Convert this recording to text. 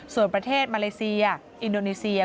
ส่วนประเทศมาเลเซียอินโดนีเซีย